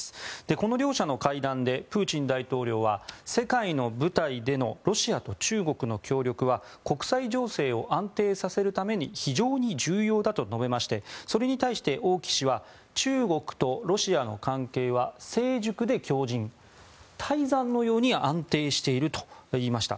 この両者の会談でプーチン大統領は世界の舞台でのロシアと中国の協力は国際情勢を安定させるために非常に重要だと述べましてそれに対して王毅氏は中国とロシアの関係は成熟で強じん泰山のように安定していると言いました。